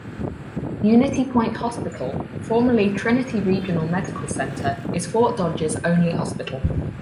Unity Point Hospital, formerly Trinity Regional Medical Center, is Fort Dodge's only hospital.